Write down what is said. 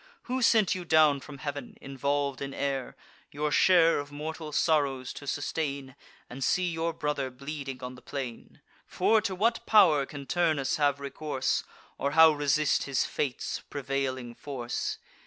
Who sent you down from heav'n, involv'd in air, Your share of mortal sorrows to sustain, And see your brother bleeding on the plain? For to what pow'r can Turnus have recourse, Or how resist his fate's prevailing force?